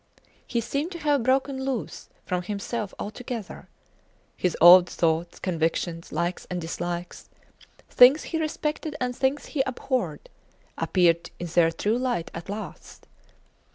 He seemed to have broken loose from himself altogether. His old thoughts, convictions, likes and dislikes, things he respected and things he abhorred, appeared in their true light at last!